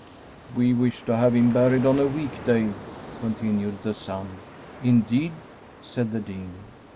' We wish to have him buried on a week day,' continued the son. ' Indeed I ' said the Dean.